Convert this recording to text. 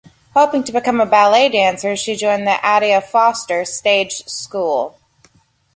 Hoping to become a ballet dancer she joined the Aida Foster stage school.